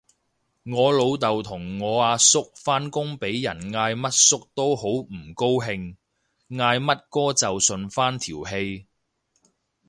我老豆同我阿叔返工俾人嗌乜叔都好唔高興，嗌乜哥就順返條氣